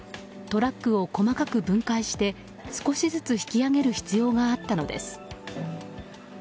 トラックを細かく分解して少しずつ引き上げる必要があったのです。